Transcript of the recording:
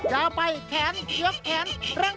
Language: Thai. แล้วไปแขนเดี๋ยวแขนเร่ง